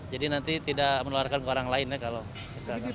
jadi nanti tidak menularkan ke orang lain ya kalau misalnya sakit